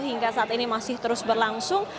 hingga saat ini masih terus berlangsung